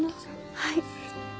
はい。